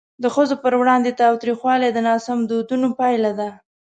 د ښځو پر وړاندې تاوتریخوالی د ناسم دودونو پایله ده.